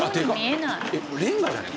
えっレンガじゃない？